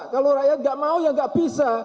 kalau rakyat gak mau ya gak bisa